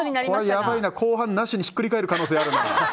やばいな、後半なしにひっくり返る可能性があるな。